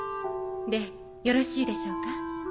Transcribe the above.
でよろしいでしょうか？